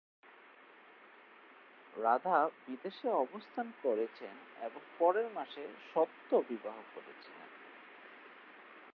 রাধা বিদেশে অবস্থান করেছেন এবং পরের মাসে সত্য বিবাহ করেছিলেন।